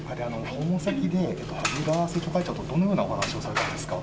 訪問先で萩生田政調会長とどのようなお話をされたんですか。